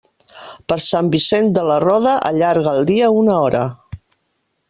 Per Sant Vicent de la Roda, allarga el dia una hora.